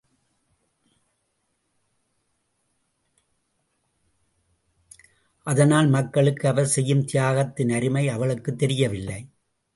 அதனால் மக்களுக்கு அவர் செய்யும் தியாகத்தின் அருமை அவளுக்குத் தெரியவில்லை.